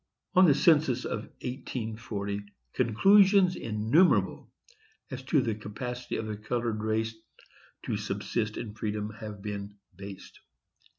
On the census of 1840 conclusions innumerable as to the capacity of the colored race to subsist in freedom have been based.